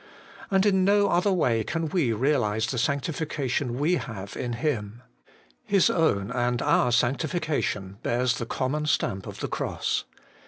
And in no other way can we realize the sanctification we have in Him. His own and our sanctification bears the common stamp of the cross.